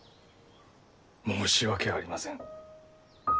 申し訳ありません。